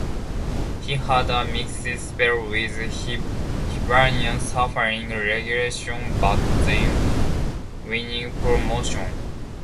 He had a mixed spell with Hibernian, suffering relegation but then winning promotion.